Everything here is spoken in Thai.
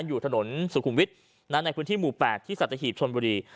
อยู่ถนนสุขุมวิทนะในคุณที่หมู่๘ที่สัตวิถีชนบุรี